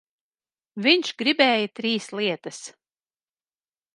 Viņš gribēja trīs lietas.